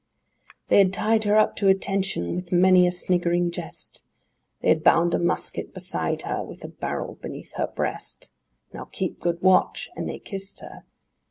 III They had tied her up to attention, with many a sniggering jest; They had bound a musket beside her, with the barrel beneath her breast! "Now, keep good watch!" and they kissed her.